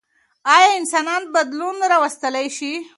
ايا انسانان بدلون راوستلی شي؟